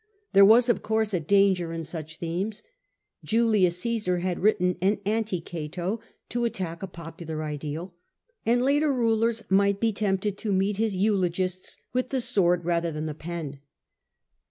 There was, of course, a danger in such themes. Julius Ciesar had written an Anti Cato, to attack a popular ideal, and later rulers might be tempted to meet his eulogists with the sword rather than the pen.